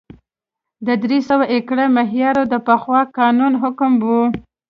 د درې سوه ایکره معیار د پخوا قانون حکم و